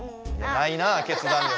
ないなあ決断力。